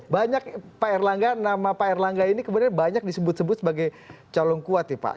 banyak pak erlangga nama pak erlangga ini kemudian banyak disebut sebut sebagai calon kuat ya pak